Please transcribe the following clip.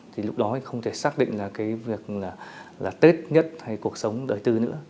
thì lúc đó anh không thể xác định là cái việc là tết nhất hay cuộc sống đời tư nữa